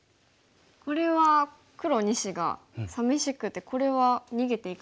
これは黒２子がさみしくてこれは逃げていかないといけないですね。